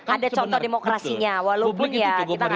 ada contoh demokrasinya walaupun ya kita nggak tahu